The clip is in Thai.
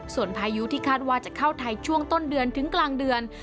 ส่วนพายุที่คาดว่าจะเข้าไทยช่วงต้นเดือนถึงกลางเดือน